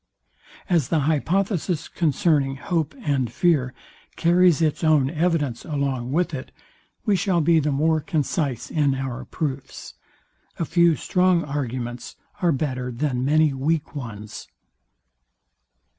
As the hypothesis concerning hope and fear carries its own evidence along with it, we shall be the more concise in our proofs. A few strong arguments are better than many weak ones.